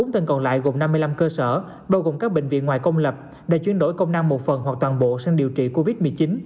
bốn tên còn lại gồm năm mươi năm cơ sở bao gồm các bệnh viện ngoài công lập đã chuyển đổi công năng một phần hoặc toàn bộ sang điều trị covid một mươi chín